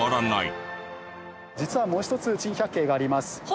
実はもう一つ珍百景があります。